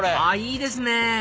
いいですね！